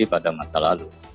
lebih pada masa lalu